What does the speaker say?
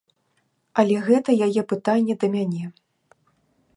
Але гэта яе пытанне да мяне.